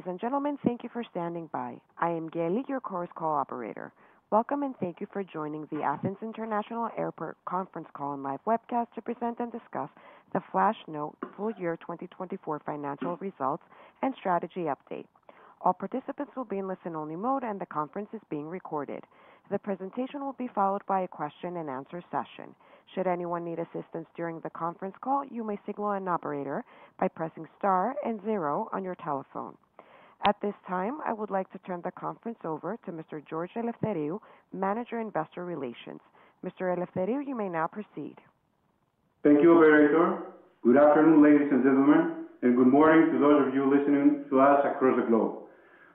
Ladies and gentlemen, thank you for standing by. I am Gelly, your Chorus Call operator. Welcome and thank you for joining the Athens International Airport Conference Call and Live Webcast to present and discuss the Flash Note full year 2024 financial results and strategy update. All participants will be in listen-only mode, and the conference is being recorded. The presentation will be followed by a question-and-answer session. Should anyone need assistance during the conference call, you may signal an operator by pressing star and zero on your telephone. At this time, I would like to turn the conference over to Mr. George Eleftheriou, Manager, Investor Relations. Mr. Eleftheriou, you may now proceed. Thank you, Operator. Good afternoon, ladies and gentlemen, and good morning to those of you listening to us across the globe.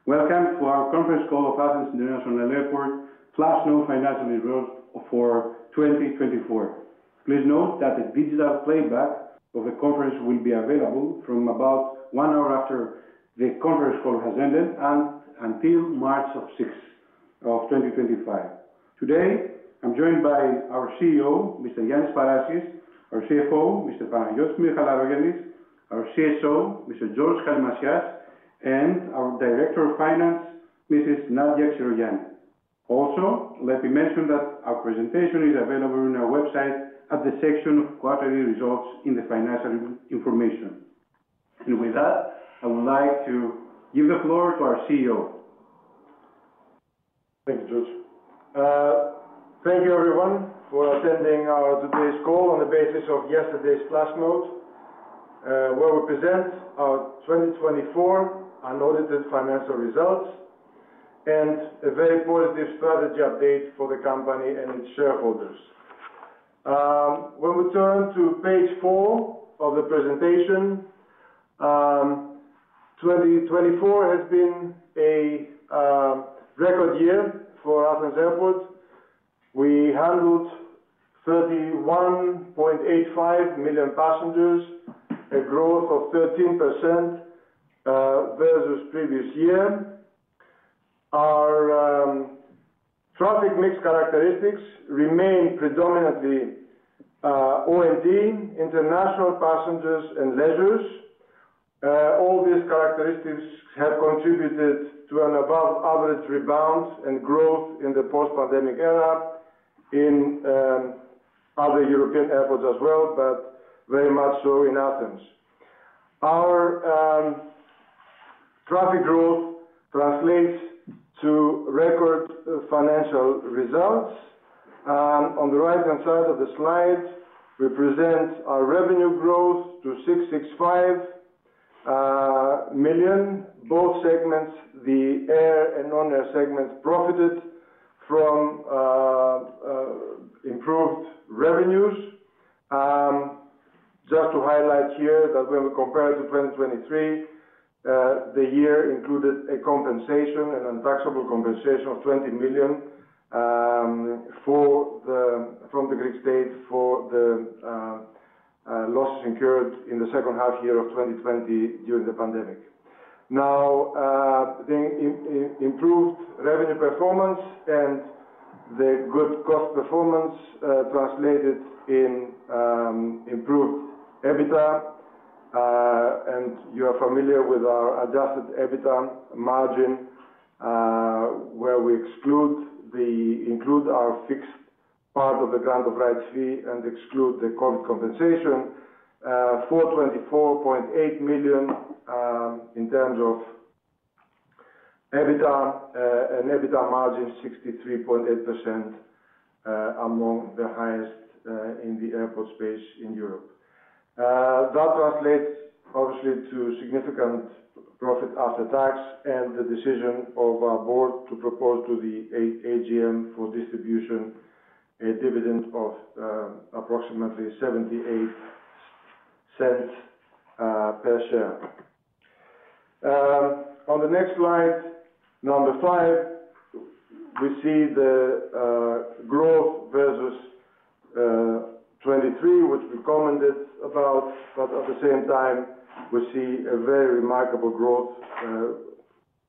Welcome to our conference call of Athens International Airport Flash Note financial results for 2024. Please note that the digital playback of the conference will be available from about one hour after the conference call has ended and until March 6, 2025. Today, I'm joined by our CEO, Mr. Yiannis, our CFO, Mr. Panagiotis Michalarogiannis, our CSO, Mr. George Kallimasias, and our Director of Finance, Mrs. Nadia Xirogianni. Also, let me mention that our presentation is available on our website at the section of Quarterly Results in the Financial Information, and with that, I would like to give the floor to our CEO. Thank you, George. Thank you, everyone, for attending our today's call on the basis of yesterday's Flash Note, where we present our 2024 unaudited financial results and a very positive strategy update for the company and its shareholders. When we turn to page four of the presentation, 2024 has been a record year for Athens Airport. We handled 31.85 million passengers, a growth of 13% versus the previous year. Our traffic mix characteristics remain predominantly O&D, international passengers, and leisure. All these characteristics have contributed to an above-average rebound and growth in the post-pandemic era in other European airports as well, but very much so in Athens. Our traffic growth translates to record financial results. On the right-hand side of the slide, we present our revenue growth to 665 million. Both segments, the air and non-air segments, profited from improved revenues. Just to highlight here that when we compare it to 2023, the year included a compensation, an untaxable compensation of 20 million from the Greek state for the losses incurred in the second half year of 2020 during the pandemic. Now, the improved revenue performance and the good cost performance translated in improved EBITDA, and you are familiar with our adjusted EBITDA margin, where we include our fixed part of the Grant of Rights Fee and exclude the COVID compensation, 424.8 million in terms of EBITDA, an EBITDA margin of 63.8%, among the highest in the airport space in Europe. That translates, obviously, to significant profit after tax and the decision of our board to propose to the AGM for distribution a dividend of approximately 0.78 per share. On the next slide, number five, we see the growth versus 2023, which we commented about, but at the same time, we see a very remarkable growth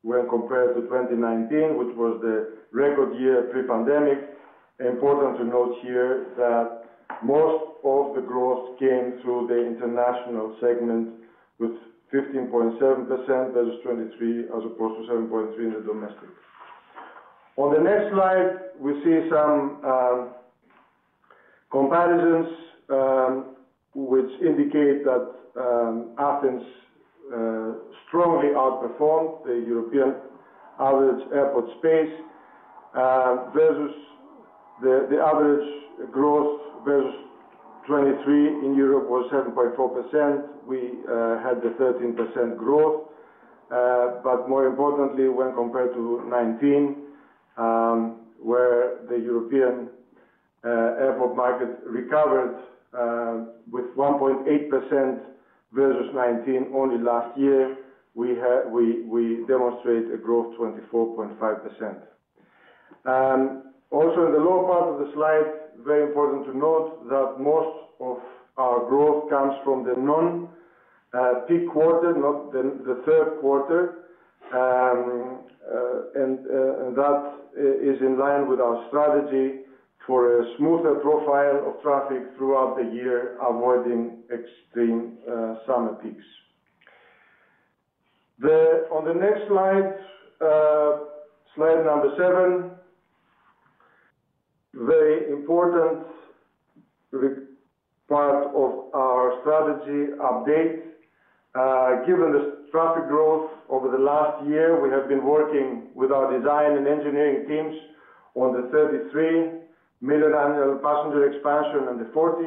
when compared to 2019, which was the record year pre-pandemic. Important to note here that most of the growth came through the international segment with 15.7% versus 2023, as opposed to 7.3% in the domestic. On the next slide, we see some comparisons which indicate that Athens strongly outperformed the European average airport space versus the average growth versus 2023 in Europe was 7.4%. We had the 13% growth, but more importantly, when compared to 2019, where the European airport market recovered with 1.8% versus 2019 only last year, we demonstrate a growth of 24.5%. Also, in the lower part of the slide, very important to note that most of our growth comes from the non-peak quarter, not the third quarter, and that is in line with our strategy for a smoother profile of traffic throughout the year, avoiding extreme summer peaks. On the next slide, slide number seven, very important part of our strategy update. Given the traffic growth over the last year, we have been working with our design and engineering teams on the 33 million annual passenger expansion and the 40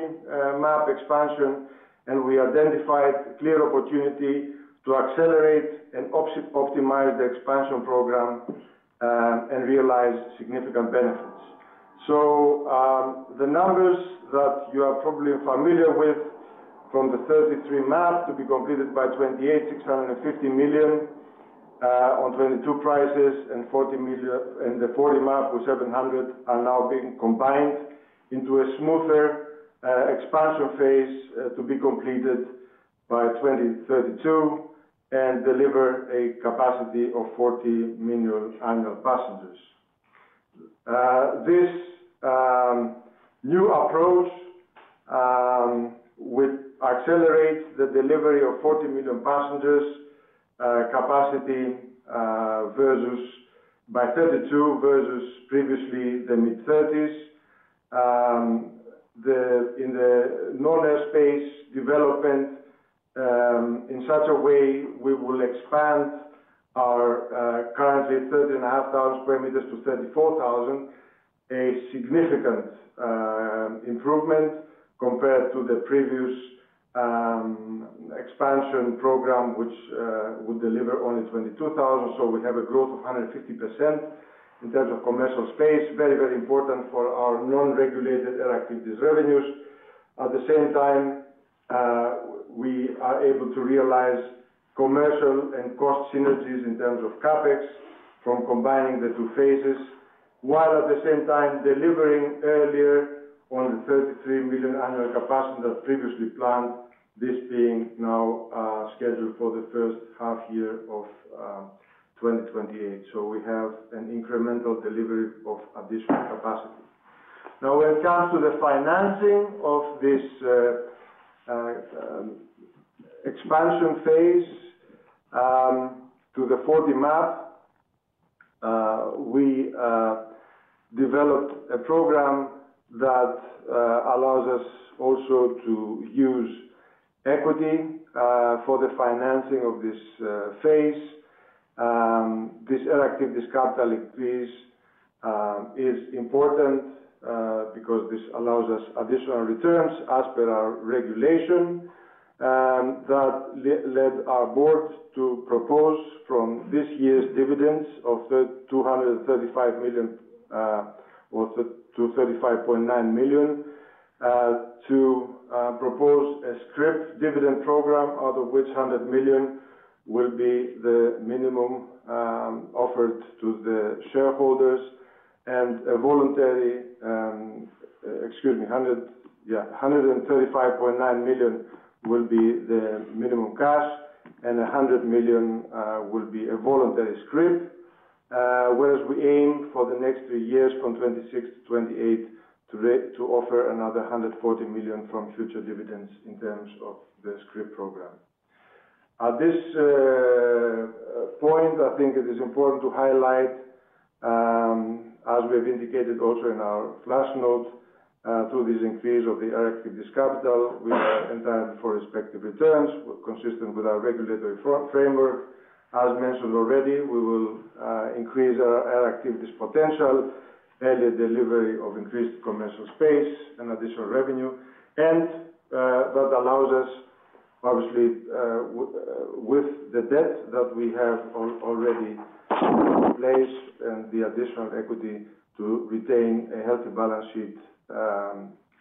MAP expansion, and we identified a clear opportunity to accelerate and optimize the expansion program and realize significant benefits. So the numbers that you are probably familiar with from the 33 MAP to be completed by 2028, 650 million (2022 prices), and the 40 MAP with 700 million are now being combined into a smoother expansion phase to be completed by 2032 and deliver a capacity of 40 million annual passengers. This new approach would accelerate the delivery of 40 million passengers capacity by '32 versus previously the mid-30s. In the non-air space development, in such a way, we will expand our currently 30,500 square meters to 34,000, a significant improvement compared to the previous expansion program, which would deliver only 22,000. So we have a growth of 150% in terms of commercial space, very, very important for our Non-regulated Air Activities revenues. At the same time, we are able to realize commercial and cost synergies in terms of CapEx from combining the two phases, while at the same time delivering earlier on the 33 million annual capacity that previously planned, this being now scheduled for the first half year of 2028. So we have an incremental delivery of additional capacity. Now, when it comes to the financing of this expansion phase to the 40 MAP, we developed a program that allows us also to use equity for the financing of this phase. This Air Activities capital increase is important because this allows us additional returns as per our regulation that led our board to propose from this year's dividends of 235 million to 35.9 million to propose a scrip dividend program, out of which 100 million will be the minimum offered to the shareholders, and a voluntary, excuse me, 135.9 million will be the minimum cash, and 100 million will be a voluntary scrip, whereas we aim for the next three years, from 2026 to 2028, to offer another 140 million from future dividends in terms of the scrip program. At this point, I think it is important to highlight, as we have indicated also in our Flash Note, through this increase of the Air Activities capital, we are entitled to respective returns, consistent with our regulatory framework. As mentioned already, we will increase our Air Activities potential, early delivery of increased commercial space, and additional revenue. And that allows us, obviously, with the debt that we have already in place and the additional equity to retain a healthy balance sheet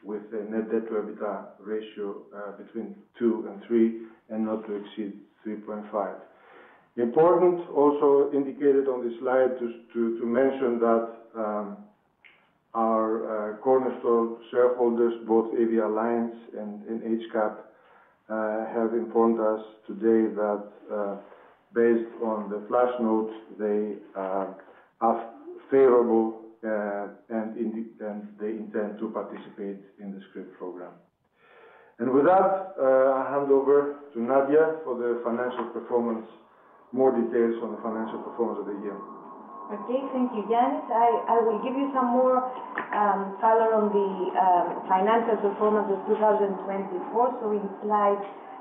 with a net debt to EBITDA ratio between 2 and 3 and not to exceed 3.5. Important, also indicated on this slide, to mention that our cornerstone shareholders, both AviAlliance and HCAP, have informed us today that, based on the Flash Note, they are favorable and they intend to participate in the scrip program. And with that, I hand over to Nadia for the financial performance, more details on the financial performance of the year. Okay, thank you, Ioannis. I will give you some more color on the financial performance of 2024.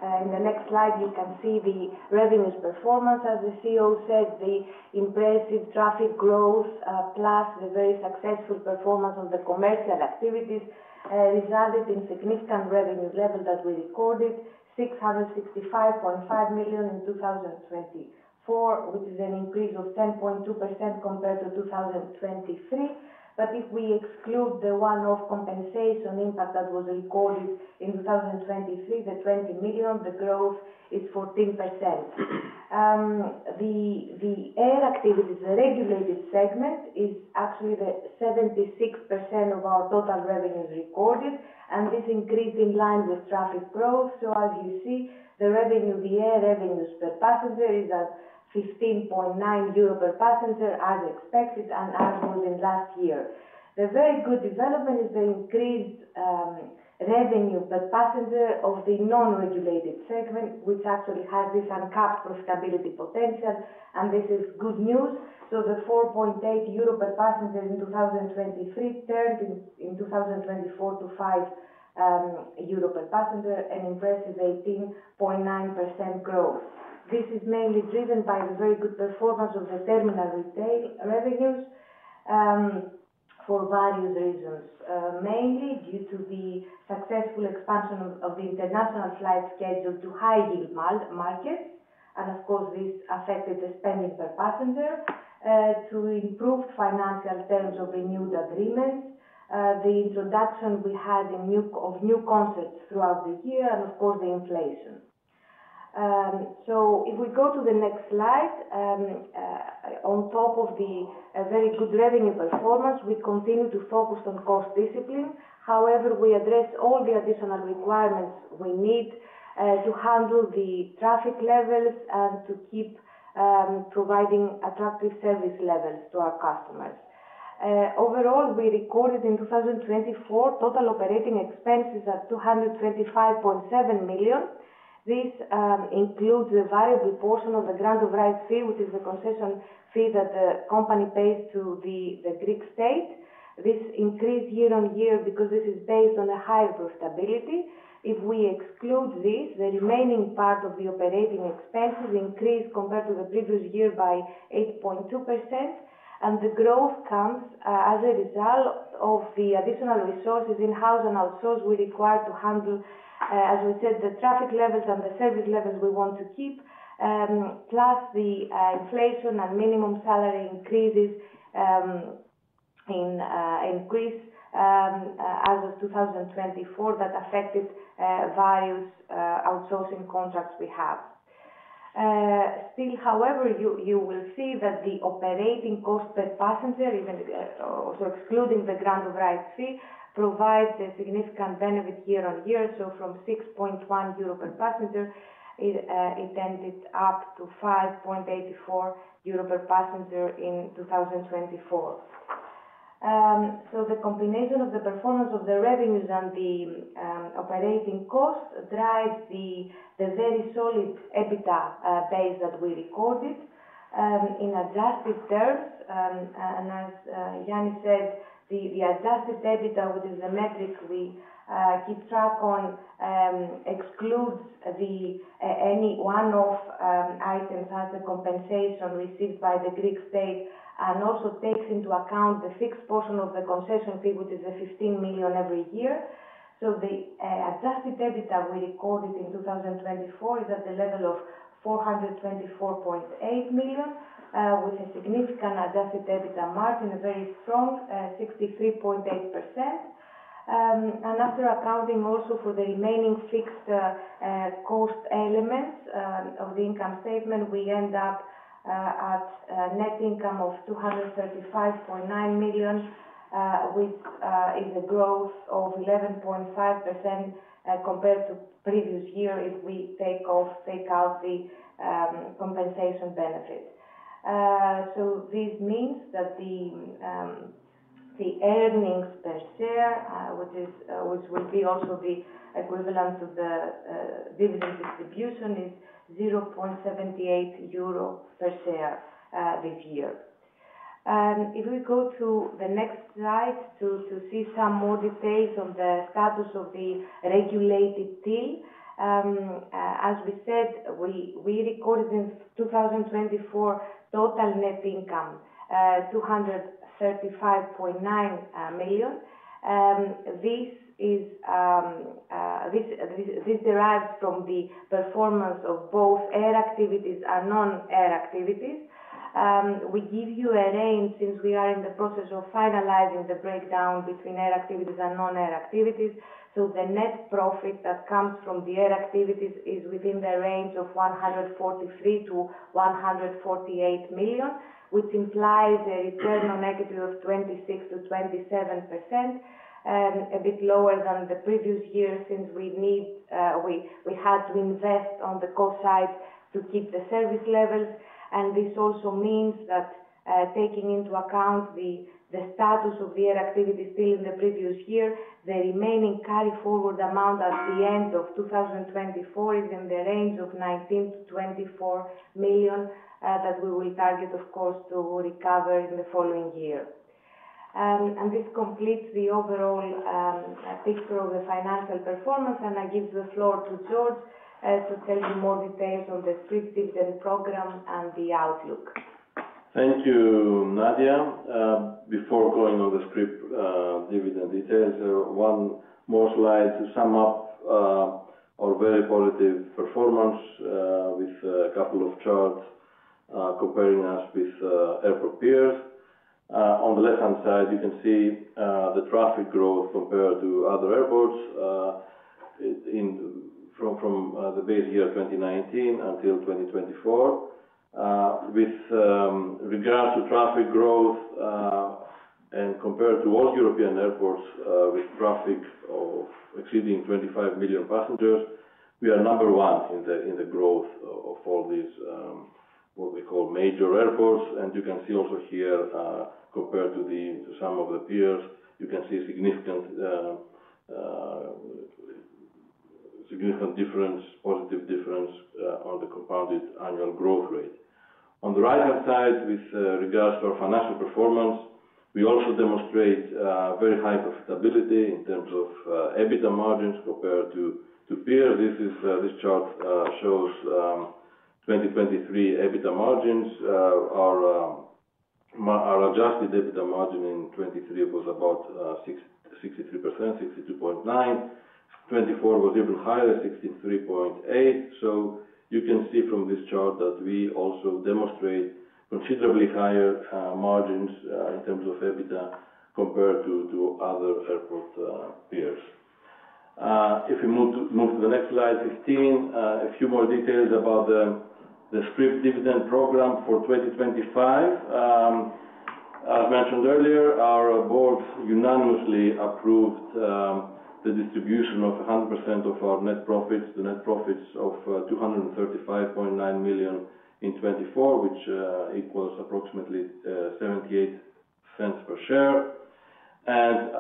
In the next slide, you can see the revenues performance. As the CEO said, the impressive traffic growth, plus the very successful performance of the commercial activities, resulted in significant revenue level that we recorded, 665.5 million in 2024, which is an increase of 10.2% compared to 2023. But if we exclude the one-off compensation impact that was recorded in 2023, the 20 million, the growth is 14%. The Air Activities, the regulated segment, is actually the 76% of our total revenues recorded, and this increase is in line with traffic growth. As you see, the air revenues per passenger is at 15.9 euros per passenger, as expected, and as was in last year. The very good development is the increased revenue per passenger of the non-regulated segment, which actually has this uncapped profitability potential, and this is good news. So the 4.8 euro per passenger in 2023 turned in 2024 to 5 euro per passenger, an impressive 18.9% growth. This is mainly driven by the very good performance of the terminal retail revenues for various reasons, mainly due to the successful expansion of the international flight schedule to high-yield markets. And, of course, this affected the spending per passenger, to improved financial terms of renewed agreements, the introduction we had of new concepts throughout the year, and, of course, the inflation. So if we go to the next slide, on top of the very good revenue performance, we continue to focus on cost discipline. However, we address all the additional requirements we need to handle the traffic levels and to keep providing attractive service levels to our customers. Overall, we recorded in 2024 total operating expenses at 225.7 million. This includes the variable portion of the Grant of Rights Fee, which is the concession fee that the company pays to the Greek state. This increased year on year because this is based on a higher profitability. If we exclude this, the remaining part of the operating expenses increased compared to the previous year by 8.2%, and the growth comes as a result of the additional resources in-house and outsourced we required to handle, as we said, the traffic levels and the service levels we want to keep, plus the inflation and minimum salary increases in Greece as of 2024 that affected various outsourcing contracts we have. Still, however, you will see that the operating cost per passenger, even also excluding the Grant of Rights Fee, provides a significant benefit year on year. So from 6.1 euro per passenger, it ended up to 5.84 euro per passenger in 2024. So the combination of the performance of the revenues and the operating costs drives the very solid EBITDA base that we recorded in adjusted terms. And as Yannis said, the adjusted EBITDA, which is the metric we keep track on, excludes any one-off items as a compensation received by the Greek state and also takes into account the fixed portion of the concession fee, which is 15 million every year. So the adjusted EBITDA we recorded in 2024 is at the level of 424.8 million, with a significant adjusted EBITDA margin, a very strong 63.8%. After accounting also for the remaining fixed cost elements of the income statement, we end up at net income of 235.9 million, which is a growth of 11.5% compared to previous year if we take out the compensation benefit. This means that the earnings per share, which will be also the equivalent of the dividend distribution, is 0.78 euro per share this year. If we go to the next slide to see some more details on the status of the regulated deal, as we said, we recorded in 2024 total net income 235.9 million. This derives from the performance of both Air Activities and Non-Air Activities. We give you a range since we are in the process of finalizing the breakdown between Air activities and Non-Air Activities. So the net profit that comes from the Air Activities is within the range of 143 million-148 million, which implies a Return on Equity of 26%-27%, a bit lower than the previous year since we had to invest on the cost side to keep the service levels. And this also means that taking into account the status of the Air Activities deal in the previous year, the remaining Carry Forward Amount at the end of 2024 is in the range of 19 million-24 million that we will target, of course, to recover in the following year. And this completes the overall picture of the financial performance, and I give the floor to George to tell you more details on the scrip dividend program and the outlook. Thank you, Nadia. Before going on the scrip dividend details, one more slide to sum up our very positive performance with a couple of charts comparing us with airport peers. On the left-hand side, you can see the traffic growth compared to other airports from the base year 2019 until 2024. With regard to traffic growth and compared to all European airports with traffic exceeding 25 million passengers, we are number one in the growth of all these what we call major airports, and you can see also here, compared to some of the peers, you can see a significant difference, positive difference on the compounded annual growth rate. On the right-hand side, with regards to our financial performance, we also demonstrate very high profitability in terms of EBITDA margins compared to peers. This chart shows 2023 EBITDA margins. Our adjusted EBITDA margin in 2023 was about 63%, 62.9%. 2024 was even higher, 63.8%. So you can see from this chart that we also demonstrate considerably higher margins in terms of EBITDA compared to other airport peers. If we move to the next slide, 15, a few more details about the scrip dividend program for 2025. As mentioned earlier, our board unanimously approved the distribution of 100% of our net profits to net profits of 235.9 million in 2024, which equals approximately 0.78 per share. And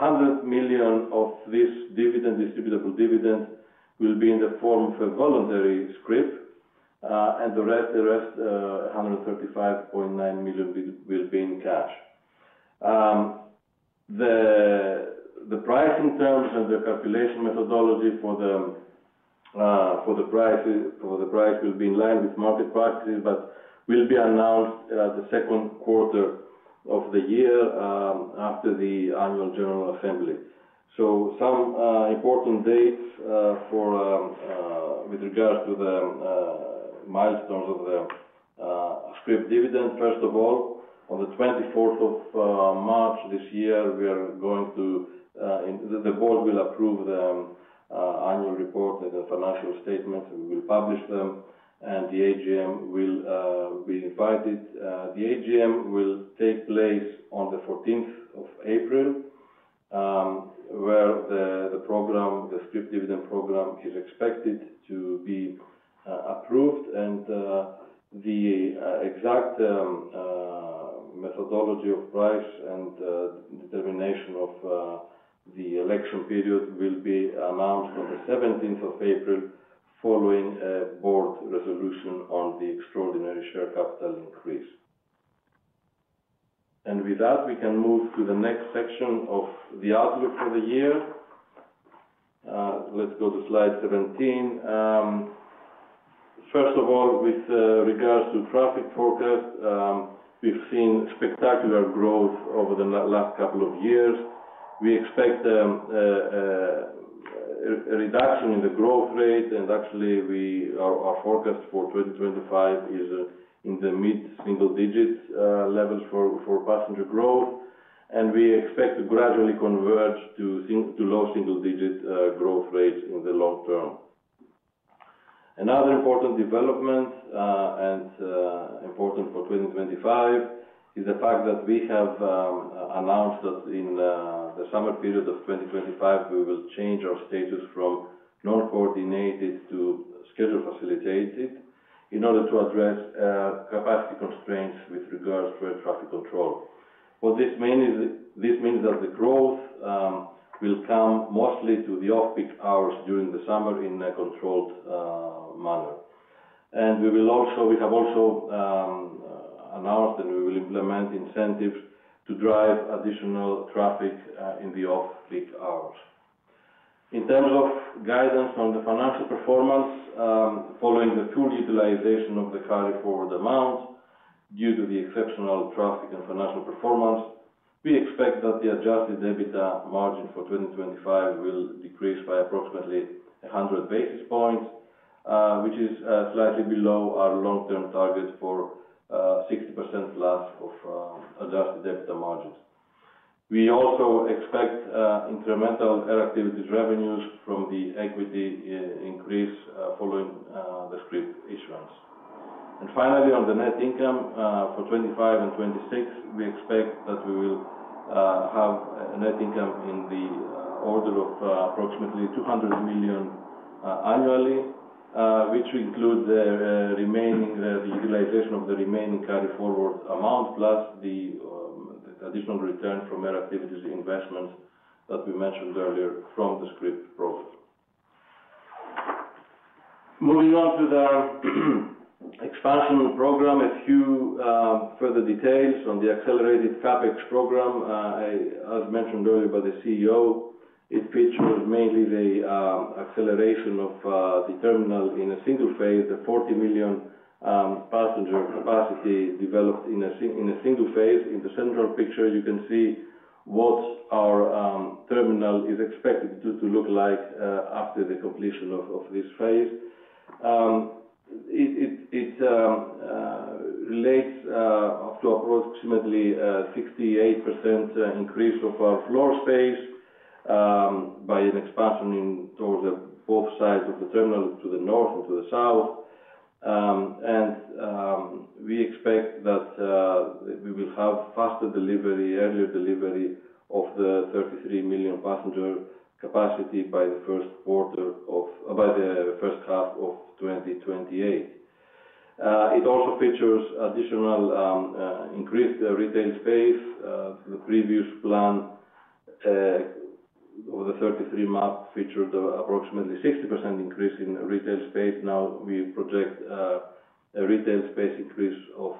100 million of this dividend, distributable dividend, will be in the form of a voluntary scrip, and the rest, 135.9 million, will be in cash. The pricing terms and the calculation methodology for the price will be in line with market practices, but will be announced the second quarter of the year after the annual general meeting. So some important dates with regards to the milestones of the scrip dividend. First of all, on the 24th of March this year, the board will approve the annual report and the financial statements. We will publish them, and shareholders will be invited to the AGM. The AGM will take place on the 14th of April, where the scrip dividend program is expected to be approved. The exact methodology of pricing and determination of the election period will be announced on the 17th of April following a board resolution on the extraordinary share capital increase. With that, we can move to the next section of the outlook for the year. Let's go to slide 17. First of all, with regards to traffic forecast, we've seen spectacular growth over the last couple of years. We expect a reduction in the growth rate, and actually, our forecast for 2025 is in the mid-single-digit levels for passenger growth. We expect to gradually converge to low single-digit growth rates in the long term. Another important development and important for 2025 is the fact that we have announced that in the summer period of 2025, we will change our status from Non-Coordinated to Schedule Facilitated in order to address capacity constraints with regards to air traffic control. What this means is that the growth will come mostly to the off-peak hours during the summer in a controlled manner. We have also announced that we will implement incentives to drive additional traffic in the off-peak hours. In terms of guidance on the financial performance, following the full utilization of the carry forward amount due to the exceptional traffic and financial performance, we expect that the Adjusted EBITDA margin for 2025 will decrease by approximately 100 basis points, which is slightly below our long-term target for 60% plus of Adjusted EBITDA margins. We also expect incremental Air Activities revenues from the equity increase following the scrip issuance. And finally, on the net income for 2025 and 2026, we expect that we will have a net income in the order of approximately 200 million annually, which includes the utilization of the remaining carry forward amount plus the additional return from Air Activities investments that we mentioned earlier from the scrip program. Moving on to the expansion program, a few further details on the accelerated CapEx program. As mentioned earlier by the CEO, it features mainly the acceleration of the terminal in a single phase, the 40 million passenger capacity developed in a single phase. In the central picture, you can see what our terminal is expected to look like after the completion of this phase. It relates to approximately 68% increase of our floor space by an expansion towards both sides of the terminal to the north and to the south. We expect that we will have faster delivery, earlier delivery of the 33 million passenger capacity by the first half of 2028. It also features additional increased retail space. The previous plan of the 33 MAP featured approximately 60% increase in retail space. Now we project a retail space increase of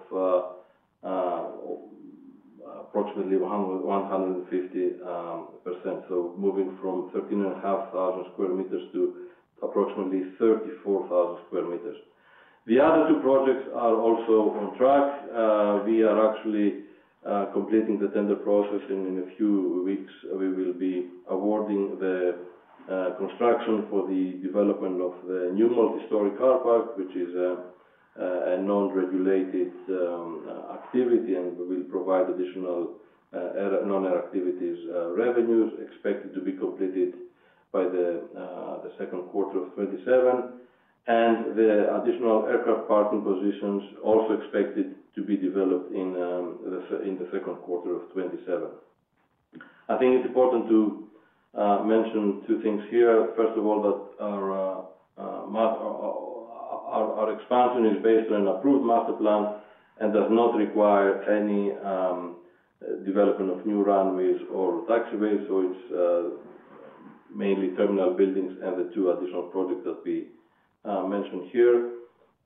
approximately 150%. So moving from 13,500 square meters to approximately 34,000 square meters. The other two projects are also on track. We are actually completing the tender process. In a few weeks, we will be awarding the construction for the development of the new multi-story car park, which is a non-regulated activity, and we will provide additional Non-Air Activities revenues expected to be completed by the second quarter of 2027, and the additional aircraft parking positions are also expected to be developed in the second quarter of 2027. I think it's important to mention two things here. First of all, that our expansion is based on an approved master plan and does not require any development of new runways or taxiways, so it's mainly terminal buildings and the two additional projects that we mentioned here.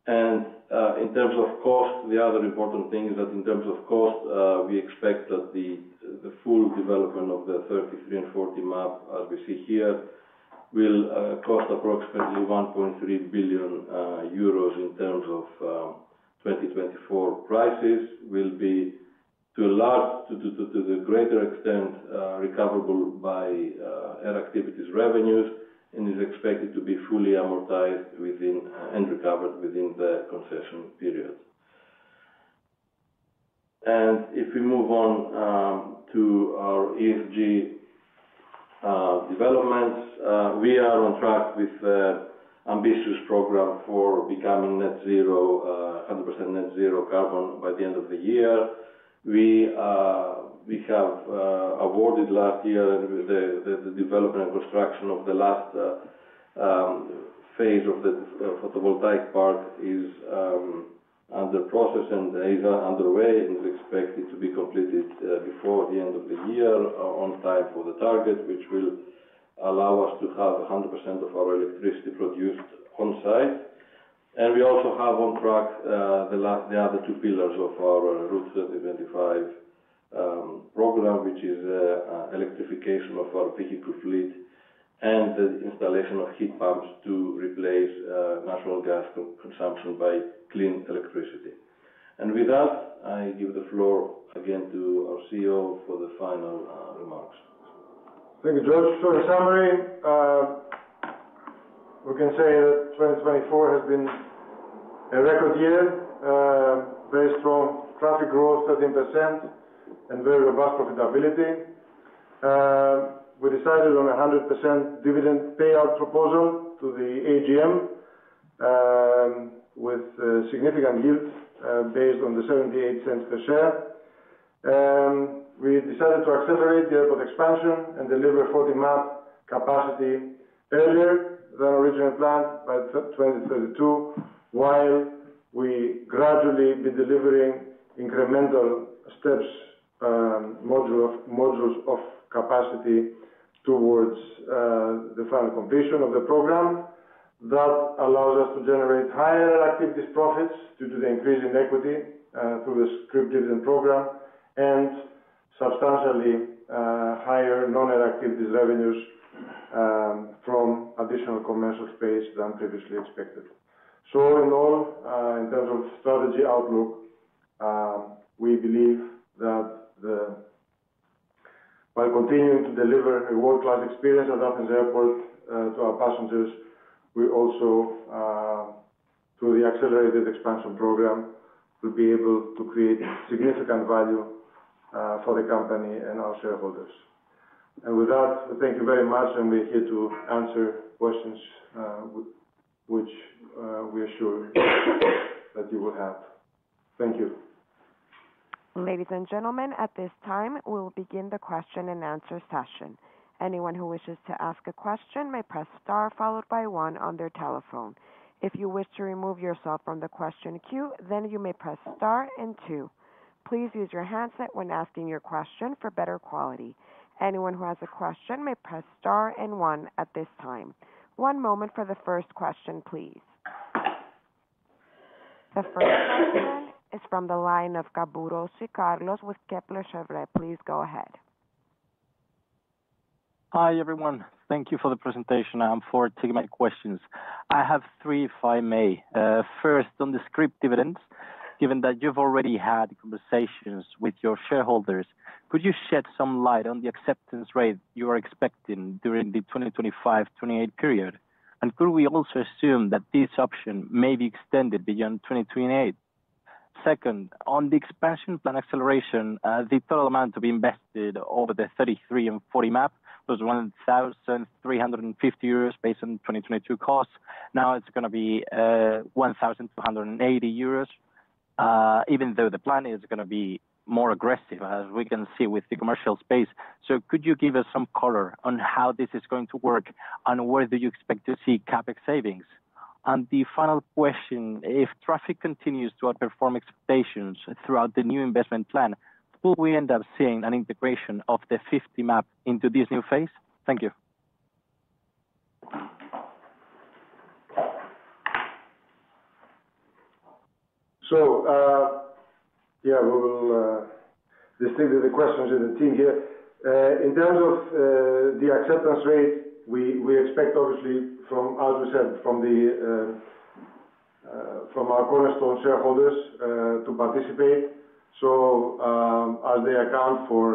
In terms of cost, the other important thing is that in terms of cost, we expect that the full development of the 33 MAP and 40 MAP, as we see here, will cost approximately 1.3 billion euros in terms of 2024 prices. It will be, to a large, to the greater extent, recoverable by Air Activities revenues and is expected to be fully amortized and recovered within the concession period. If we move on to our ESG developments, we are on track with an ambitious program for becoming Net Zero, 100% Net Zero carbon by the end of the year. We have awarded last year the development and construction of the last phase of the photovoltaic park is under process and is underway and is expected to be completed before the end of the year on time for the target, which will allow us to have 100% of our electricity produced on site, and we also have on track the other two pillars of our Route 2025 program, which is electrification of our vehicle fleet and the installation of heat pumps to replace natural gas consumption by clean electricity, and with that, I give the floor again to our CEO for the final remarks. Thank you, George. So in summary, we can say that 2024 has been a record year, very strong traffic growth, 13%, and very robust profitability. We decided on a 100% dividend payout proposal to the AGM with significant yield based on the 0.78 per share. We decided to accelerate the airport expansion and deliver 40 MAP capacity earlier than originally planned by 2032, while we gradually be delivering incremental steps, modules of capacity towards the final completion of the program. That allows us to generate higher Air Activities profits due to the increase in equity through the scrip dividend program and substantially higher Non-Air Activities revenues from additional commercial space than previously expected. So in all, in terms of strategy outlook, we believe that by continuing to deliver a world-class experience at Athens Airport to our passengers, we also, through the accelerated expansion program, will be able to create significant value for the company and our shareholders. And with that, thank you very much, and we're here to answer questions which we are sure that you will have. Thank you. Ladies and gentlemen, at this time, we'll begin the question and answer session. Anyone who wishes to ask a question may press star followed by one on their telephone. If you wish to remove yourself from the question queue, then you may press star and two. Please use your handset when asking your question for better quality. Anyone who has a question may press star and one at this time. One moment for the first question, please. The first question is from the line of Garces, Jose Carlos, with Kepler Cheuvreux. Please go ahead. Hi everyone. Thank you for the presentation. I'm looking forward to taking my questions. I have three, if I may. First, on the scrip dividends, given that you've already had conversations with your shareholders, could you shed some light on the acceptance rate you are expecting during the 2025-2028 period? And could we also assume that this option may be extended beyond 2028? Second, on the expansion plan acceleration, the total amount to be invested over the 33 MAP and 40 MAP was 1,350 euros based on 2022 costs. Now it's going to be 1,280 euros, even though the plan is going to be more aggressive, as we can see with the commercial space. So could you give us some color on how this is going to work, and where do you expect to see CapEx savings? And the final question, if traffic continues to outperform expectations throughout the new investment plan, will we end up seeing an integration of the 50 MAP into this new phase? Thank you. Yeah, we will distinguish the questions with the team here. In terms of the acceptance rate, we expect, obviously, as we said, from our cornerstone shareholders to participate. As they account for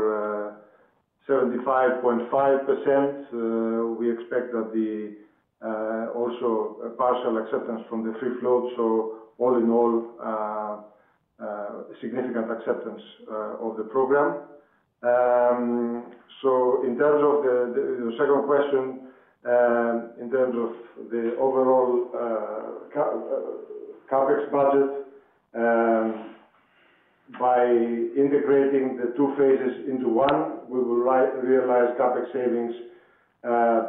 75.5%, we expect that the also partial acceptance from the free float. All in all, significant acceptance of the program. In terms of the second question, in terms of the overall CapEx budget, by integrating the two phases into one, we will realize CapEx savings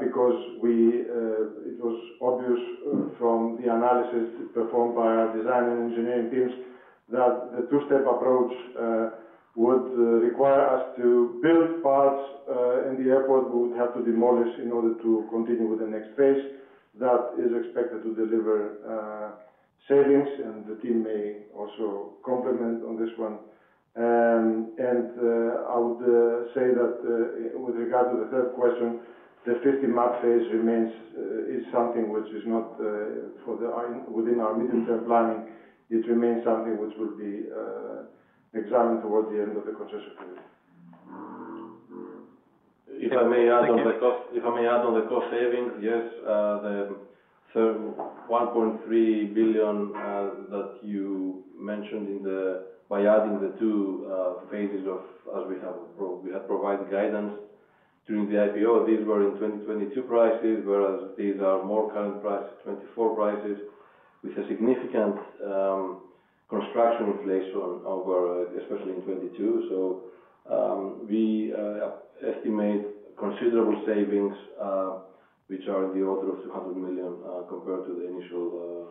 because it was obvious from the analysis performed by our design and engineering teams that the two-step approach would require us to build parts in the airport. We would have to demolish in order to continue with the next phase. That is expected to deliver savings, and the team may also comment on this one. I would say that with regard to the third question, the 50MAP phase remains something which is not within our medium-term planning. It remains something which will be examined towards the end of the concession period. If I may add on the cost, if I may add on the cost savings, yes, the 1.3 billion that you mentioned in the by adding the two phases of as we have provided guidance during the IPO, these were in 2022 prices, whereas these are more current prices, 2024 prices, with a significant construction inflation over, especially in 2022. So we estimate considerable savings, which are in the order of 200 million compared to the initial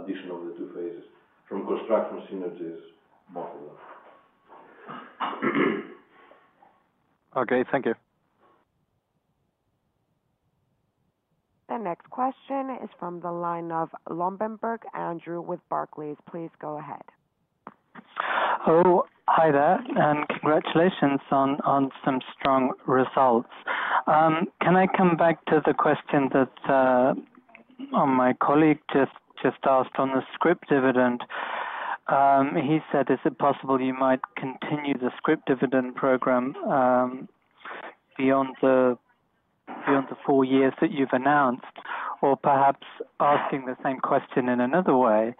addition of the two phases from construction synergies, both of them. Okay, thank you. The next question is from the line of Lobbenberg, Andrew with Barclays. Please go ahead. Hello, hi there, and congratulations on some strong results. Can I come back to the question that my colleague just asked on the scrip dividend? He said, is it possible you might continue the scrip dividend program beyond the four years that you've announced, or perhaps asking the same question in another way?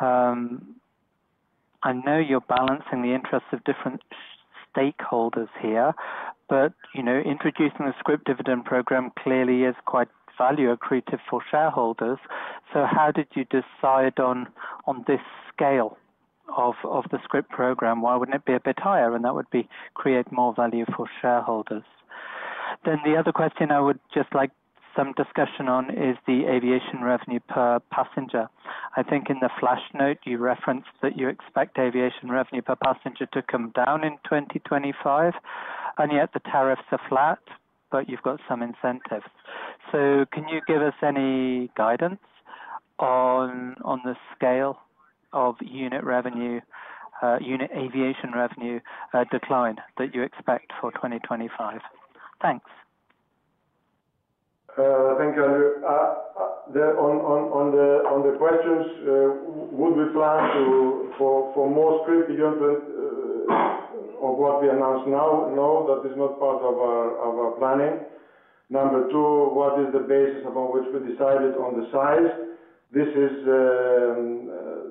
I know you're balancing the interests of different stakeholders here, but introducing the scrip dividend program clearly is quite value accretive for shareholders. So how did you decide on this scale of the scrip program? Why wouldn't it be a bit higher? And that would create more value for shareholders. Then the other question I would just like some discussion on is the aviation revenue per passenger. I think in the Flash Note, you referenced that you expect aviation revenue per passenger to come down in 2025, and yet the tariffs are flat, but you've got some incentives. So can you give us any guidance on the scale of unit revenue, unit aviation revenue decline that you expect for 2025? Thanks. Thank you, Andrew. On the questions, would we plan for more scrip beyond what we announced now? No, that is not part of our planning. Number two, what is the basis upon which we decided on the size? This is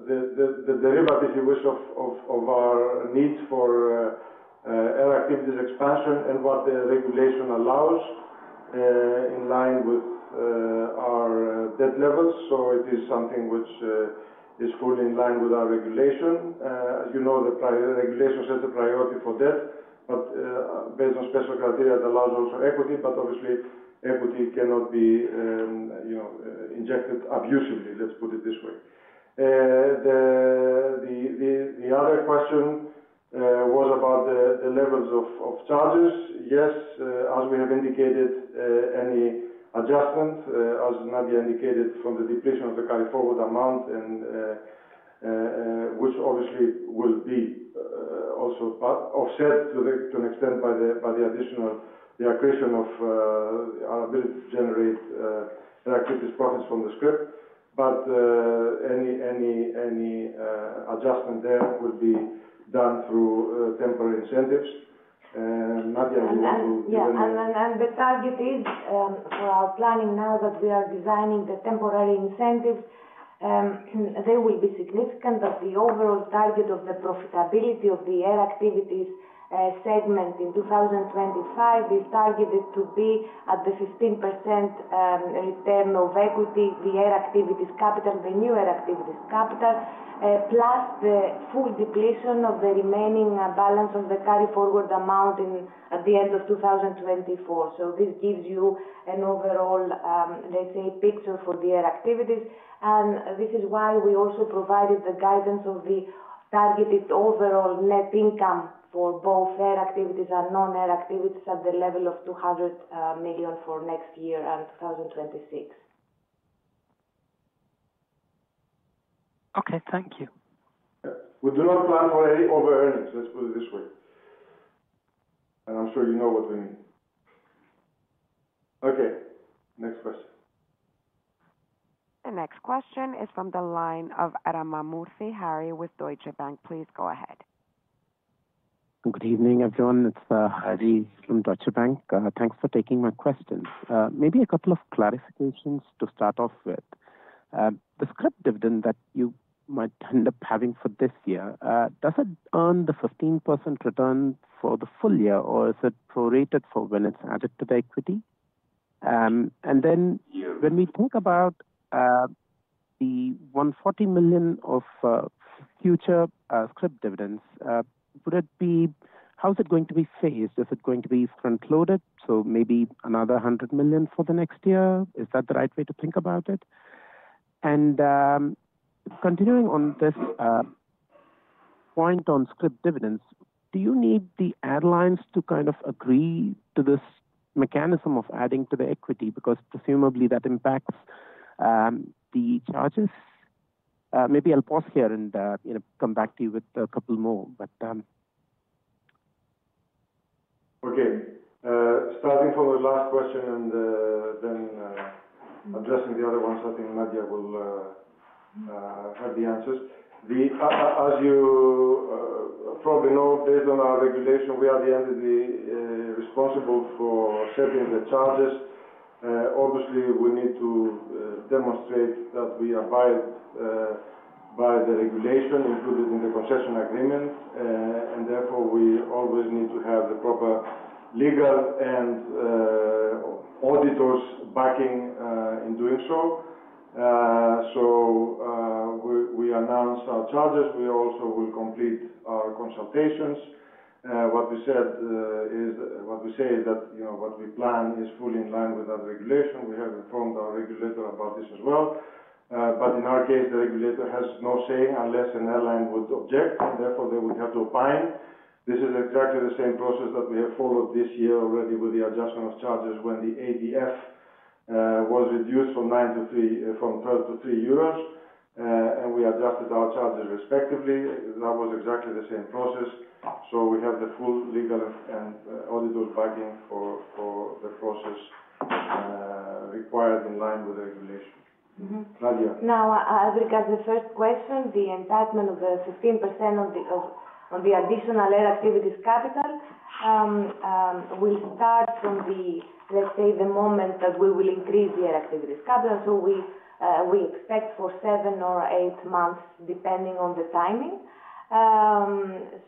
the derivative of our needs for Air Activities expansion and what the regulation allows in line with our debt levels. So it is something which is fully in line with our regulation. As you know, the regulation sets a priority for debt, but based on special criteria, it allows also equity, but obviously, equity cannot be injected abusively, let's put it this way. The other question was about the levels of charges. Yes, as we have indicated, any adjustment, as Nadia indicated, from the depletion of the Carry Forward Amount, which obviously will be also offset to an extent by the additional accretion of our ability to generate Air Activities profits from the scrip. But any adjustment there will be done through temporary incentives. Nadia, you want to. Yes. And the target is, for our planning now that we are designing the temporary incentives, they will be significant, but the overall target of the profitability of the Air Activities segment in 2025 is targeted to be at the 15% return on equity, the Air Activities capital, the new Air Activities capital, plus the full depletion of the remaining balance of the carry forward amount at the end of 2024. So this gives you an overall, let's say, picture for the Air Activities. And this is why we also provided the guidance of the targeted overall net income for both Air Activities and Non-Air Activities at the level of 200 million for next year and 2026. Okay, thank you. We do not plan for any over-earnings, let's put it this way. And I'm sure you know what we mean. Okay, next question. The next question is from the line of Adam Murphy with Deutsche Bank. Please go ahead. Good evening, everyone. It's Harry from Deutsche Bank. Thanks for taking my questions. Maybe a couple of clarifications to start off with. The scrip dividend that you might end up having for this year, does it earn the 15% return for the full year, or is it prorated for when it's added to the equity? And then when we think about the 140 million of future scrip dividends, would it be how is it going to be phased? Is it going to be front-loaded? So maybe another 100 million for the next year? Is that the right way to think about it? And continuing on this point on scrip dividends, do you need the airlines to kind of agree to this mechanism of adding to the equity? Because presumably that impacts the charges. Maybe I'll pause here and come back to you with a couple more, but. Okay. Starting from the last question and then addressing the other ones, I think Nadia will have the answers. As you probably know, based on our regulation, we are the entity responsible for setting the charges. Obviously, we need to demonstrate that we abide by the regulation included in the concession agreement, and therefore we always need to have the proper legal and auditors backing in doing so. So we announce our charges. We also will complete our consultations. What we say is that what we plan is fully in line with that regulation. We have informed our regulator about this as well. But in our case, the regulator has no say unless an airline would object, and therefore they would have to opine. This is exactly the same process that we have followed this year already with the adjustment of charges when the ADF was reduced from 12 to 3 euros, and we adjusted our charges respectively. That was exactly the same process. So we have the full legal and auditor backing for the process required in line with the regulation. Nadia. Now, as regards the first question, the entitlement of the 15% on the additional Air Activities capital will start from the, let's say, the moment that we will increase the Air Activities capital. So we expect for seven or eight months, depending on the timing.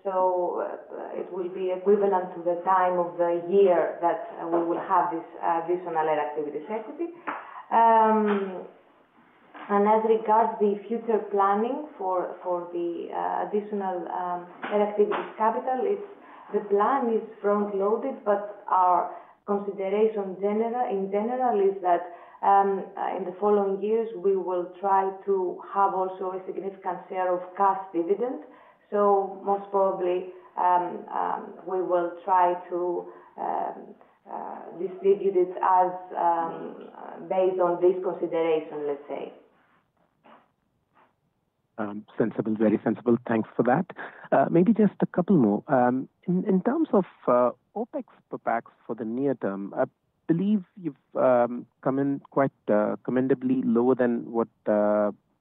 So it will be equivalent to the time of the year that we will have this additional air activities equity. And as regards the future planning for the additional air activities capital, the plan is front-loaded, but our consideration in general is that in the following years, we will try to have also a significant share of cash dividend. So most probably we will try to distribute it based on this consideration, let's say. Sensible, very sensible. Thanks for that. Maybe just a couple more. In terms of OpEx per pax for the near term, I believe you've come in quite commendably lower than what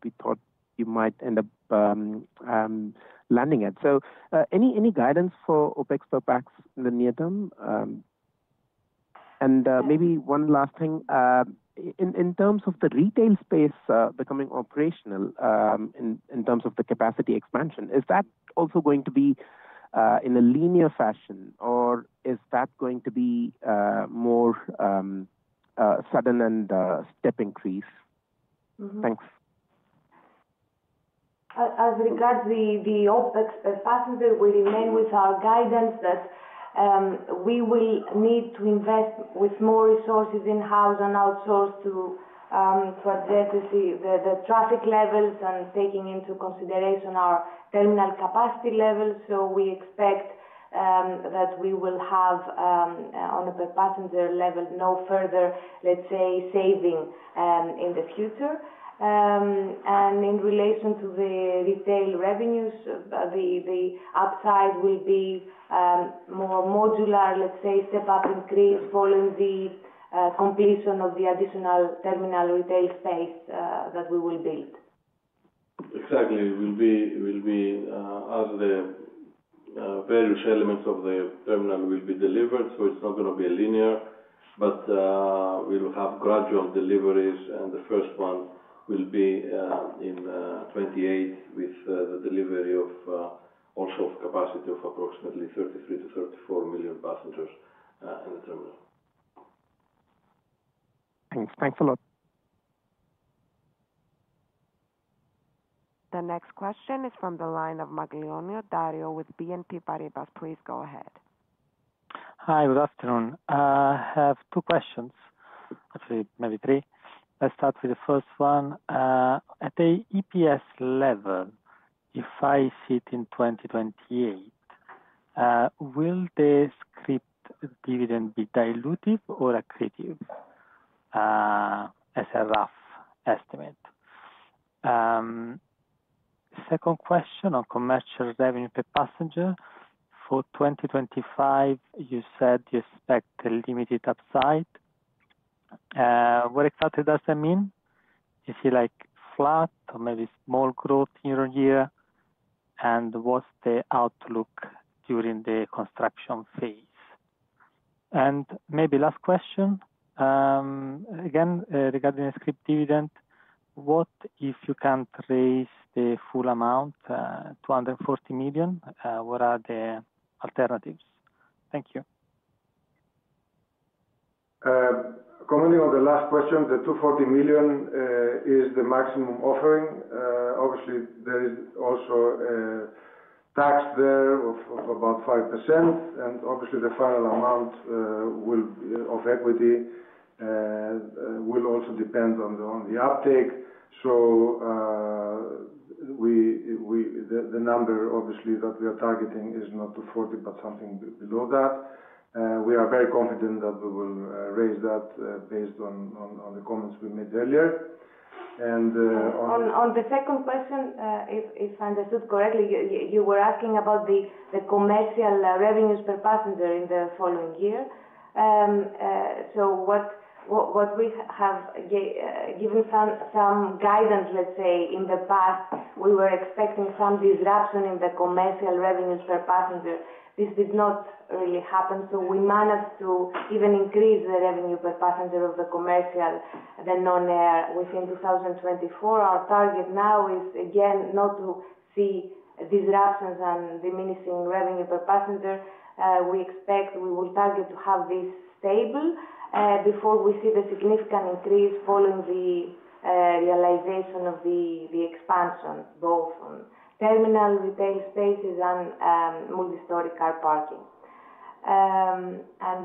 we thought you might end up landing at. So any guidance for OpEx per pax in the near term? And maybe one last thing. In terms of the retail space becoming operational, in terms of the capacity expansion, is that also going to be in a linear fashion, or is that going to be more sudden and step increase? Thanks. As regards the OpEx per pax, we remain with our guidance that we will need to invest with more resources in-house and outsource to address the traffic levels and taking into consideration our terminal capacity levels. We expect that we will have, on the per passenger level, no further, let's say, saving in the future. In relation to the retail revenues, the upside will be more moderate, let's say, step-up increase following the completion of the additional terminal retail space that we will build. Exactly. It will be as the various elements of the terminal will be delivered. So it's not going to be a linear, but we will have gradual deliveries, and the first one will be in 2028 with the delivery of also capacity of approximately 33-34 million passengers in the terminal. Thanks. Thanks a lot. The next question is from the line of Maglione, Dario with BNP Paribas. Please go ahead. Hi, good afternoon. I have two questions, actually maybe three. Let's start with the first one. At the EPS level, if I sit in 2028, will the scrip dividend be dilutive or accretive as a rough estimate? Second question on commercial revenue per passenger. For 2025, you said you expect a limited upside. What exactly does that mean? Is it like flat or maybe small growth year on year? And what's the outlook during the construction phase? And maybe last question. Again, regarding the scrip dividend, what if you can't raise the full amount, 240 million? What are the alternatives? Thank you. Coming on the last question, the 240 million is the maximum offering. Obviously, there is also tax there of about 5%, and obviously the final amount of equity will also depend on the uptake. So the number obviously that we are targeting is not 240, but something below that. We are very confident that we will raise that based on the comments we made earlier. And. On the second question, if I understood correctly, you were asking about the commercial revenues per passenger in the following year. So what we have given some guidance, let's say, in the past, we were expecting some disruption in the commercial revenues per passenger. This did not really happen. So we managed to even increase the revenue per passenger of the commercial, the non-air. Within 2024, our target now is, again, not to see disruptions and diminishing revenue per passenger. We expect we will target to have this stable before we see the significant increase following the realization of the expansion, both on terminal retail spaces and multi-story car parking. And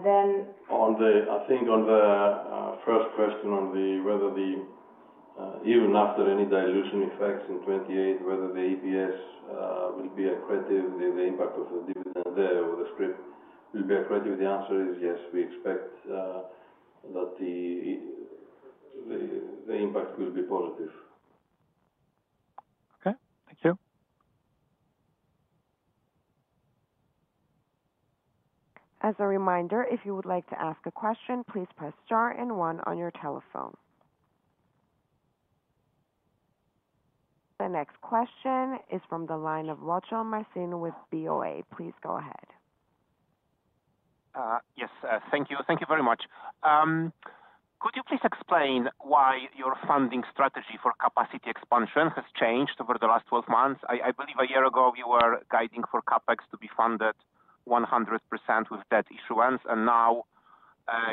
then. On the, I think on the first question on whether the, even after any dilution effects in 2028, whether the EPS will be accretive, the impact of the dividend there or the scrip will be accretive, the answer is yes. We expect that the impact will be positive. Okay. Thank you. As a reminder, if you would like to ask a question, please press star and one on your telephone. The next question is from the line of Wojtal, Marcin with BOA. Please go ahead. Yes. Thank you. Thank you very much. Could you please explain why your funding strategy for capacity expansion has changed over the last 12 months? I believe a year ago you were guiding for CapEx to be funded 100% with debt issuance, and now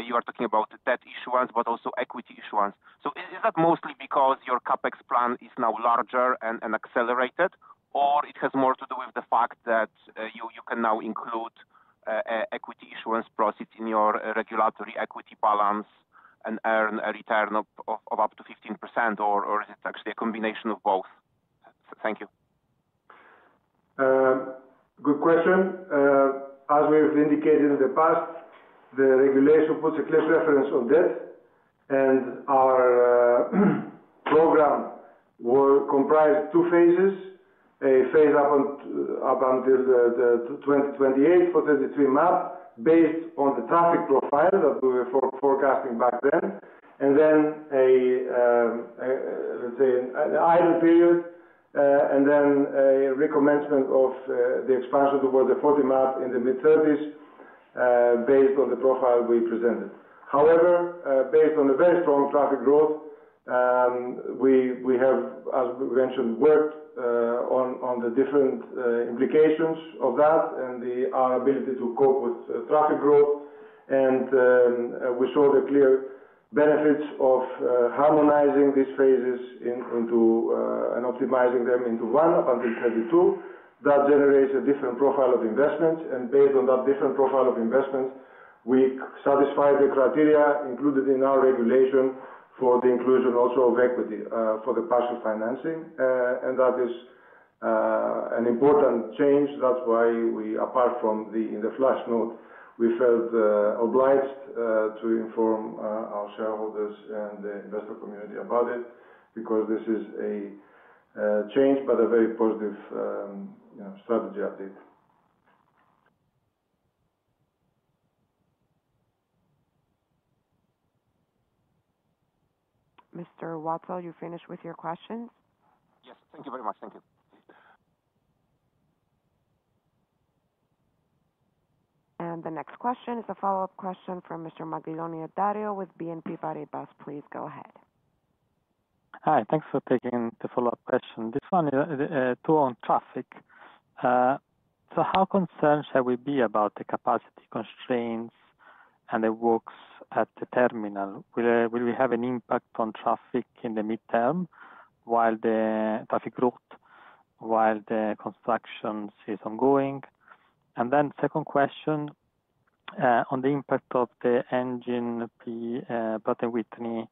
you are talking about debt issuance, but also equity issuance. So is that mostly because your CapEx plan is now larger and accelerated, or it has more to do with the fact that you can now include equity issuance profits in your regulatory equity balance and earn a return of up to 15%, or is it actually a combination of both? Thank you. Good question. As we've indicated in the past, the regulation puts a clear preference on debt, and our program comprised two phases: a phase up until 2028 for 33 MAP, based on the traffic profile that we were forecasting back then, and then a, let's say, an idle period, and then a recommencement of the expansion toward the 40 MAP in the mid-30s, based on the profile we presented. However, based on the very strong traffic growth, we have, as we mentioned, worked on the different implications of that and our ability to cope with traffic growth, and we saw the clear benefits of harmonizing these phases into and optimizing them into one up until 2032. That generates a different profile of investments, and based on that different profile of investments, we satisfy the criteria included in our regulation for the inclusion also of equity for the partial financing, and that is an important change. That's why we, apart from the Flash Note, we felt obliged to inform our shareholders and the investor community about it because this is a change, but a very positive strategy update. Mr. Wojtal, you finished with your questions? Yes. Thank you very much. Thank you. The next question is a follow-up question from Mr. Maglione, Dario with BNP Paribas. Please go ahead. Hi. Thanks for taking the follow-up question. This one is two on traffic. So how concerned shall we be about the capacity constraints and the works at the terminal? Will we have an impact on traffic in the mid-term while the traffic growth, while the construction is ongoing? And then second question on the impact of the engine Pratt & Whitney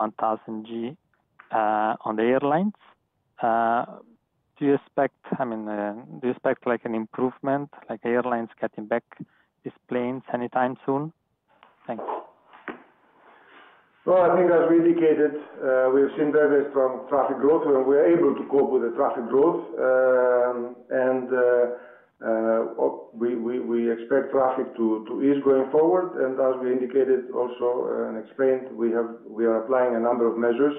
PW1000G on the airlines. Do you expect, I mean, do you expect an improvement, like airlines getting back these planes anytime soon? Thanks. I think as we indicated, we've seen very, very strong traffic growth, and we're able to cope with the traffic growth, and we expect traffic to ease going forward. As we indicated also and explained, we are applying a number of measures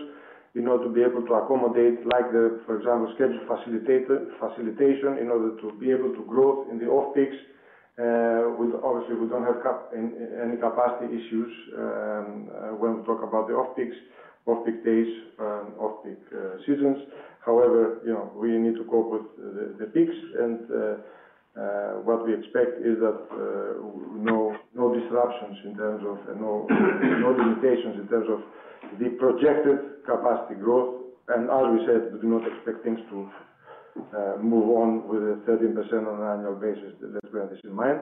in order to be able to accommodate, like the, for example, schedule facilitation in order to be able to grow in the off-peaks. Obviously, we don't have any capacity issues when we talk about the off-peaks, off-peak days, off-peak seasons. However, we need to cope with the peaks, and what we expect is that no disruptions in terms of no limitations in terms of the projected capacity growth. As we said, we do not expect things to move on with a 13% on an annual basis. Let's put this in mind.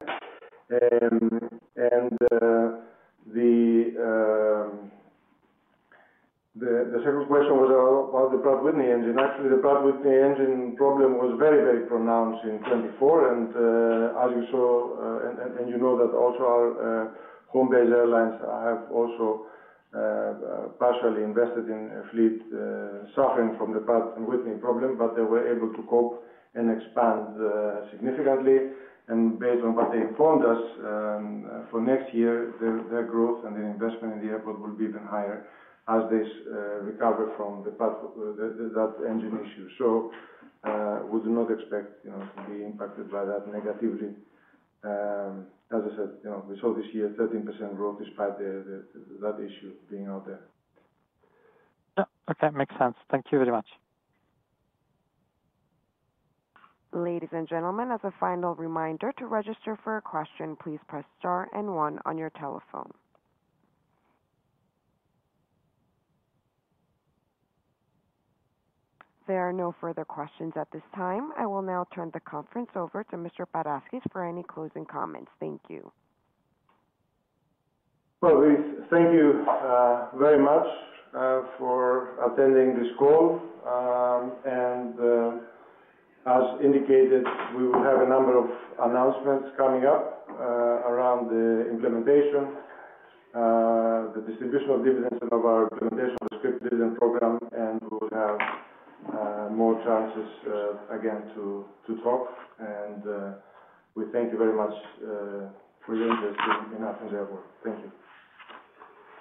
The second question was about the Pratt & Whitney PW1000G engine. Actually, the Pratt & Whitney PW1000G engine problem was very, very pronounced in 2024, and as you saw, and you know that also our home-based airlines have also partially invested in a fleet suffering from the Pratt & Whitney PW1000G problem, but they were able to cope and expand significantly. And based on what they informed us for next year, their growth and the investment in the airport will be even higher as they recover from that engine issue. So we do not expect to be impacted by that negatively. As I said, we saw this year 13% growth despite that issue being out there. Okay. Makes sense. Thank you very much. Ladies and gentlemen, as a final reminder, to register for a question, please press star and one on your telephone. There are no further questions at this time. I will now turn the conference over to Mr. Paraschis for any closing comments. Thank you. Thank you very much for attending this call. And as indicated, we will have a number of announcements coming up around the implementation, the distribution of dividends of our script dividend program, and we will have more chances again to talk. We thank you very much for your interest in us and the airport. Thank you.